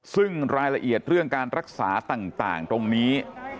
ซึ่งรายละเอียดเรื่องการรักษาต่างตรงนี้